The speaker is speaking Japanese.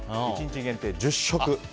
１日限定１０食。